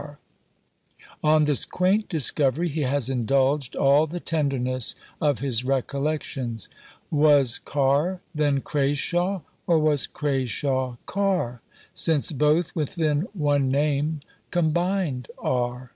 _ On this quaint discovery, he has indulged all the tenderness of his recollections: Was Car then Crashawe, or was Crashawe Car? Since both within one name combined are.